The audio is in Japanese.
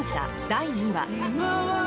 第２話。